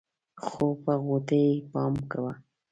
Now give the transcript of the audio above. خو په غوټۍ پام کوه.